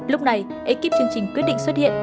lúc này ekip chương trình quyết định xuất hiện